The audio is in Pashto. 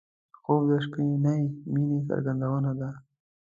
خوب د شپهنۍ مینې څرګندونه ده